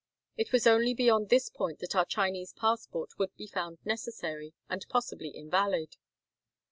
It was only beyond this point that our Chinese passport would be found necessary, and possibly invalid.